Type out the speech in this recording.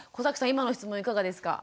今の質問いかがですか？